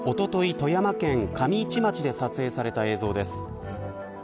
富山県上市町で撮影された映像です。